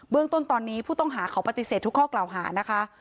เรื่องต้นตอนนี้ผู้ต้องหาเขาปฏิเสธทุกข้อกล่าวหานะคะ